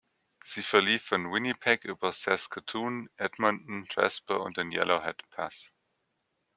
Sie verlief von Winnipeg über Saskatoon, Edmonton, Jasper und den Yellowhead Pass.